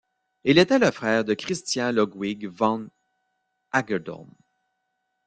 Il était le frère de Christian Ludwig von Hagedorn.